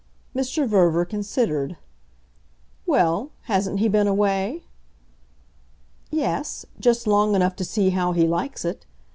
Mr. Verver considered. "Well, hasn't he been away?" "Yes, just long enough to see how he likes it.